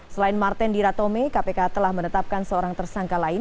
selain martendira tome kpk telah menetapkan seorang tersangka lain